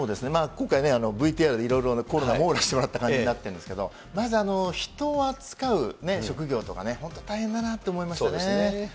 今回ね、ＶＴＲでいろいろコロナ網羅してもらった感じになってるんですけれども、まず人を扱う職業とかね、本当、大変だなと思いましたね。